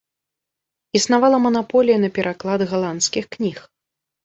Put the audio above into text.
Існавала манаполія на пераклад галандскіх кніг.